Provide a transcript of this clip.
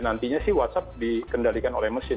nantinya sih whatsapp dikendalikan oleh mesin